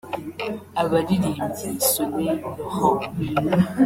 Abaririmbyi Soleil Laurent